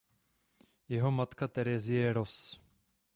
Jeho matka Terezie roz.